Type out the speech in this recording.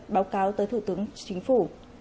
báo cáo tới thủ tướng chính phủ